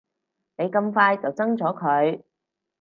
你咁快就憎咗佢